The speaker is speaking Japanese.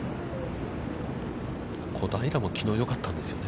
小平も、きのうよかったんですよね。